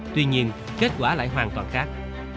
tuy nhiên kết quả lại hoàn toàn khác